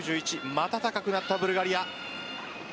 また高くなったブルガリア。